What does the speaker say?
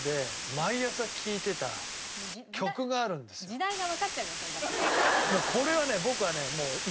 時代がわかっちゃうじゃないそれだと。